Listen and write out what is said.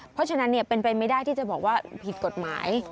เพราะฉะนั้นเป็นไปไม่ได้ที่จะบอกว่าผิดกฎหมาย